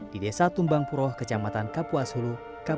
di desa tumbang puroh kecamatan kapuas hulu kapuas kalimantan tengah